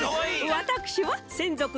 わたくしはせんぞく